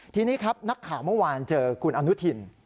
ทีนี้ครับนักข่าวเมื่อวานเจอคุณอนุทิน